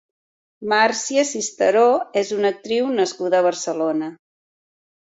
Màrcia Cisteró és una actriu nascuda a Barcelona.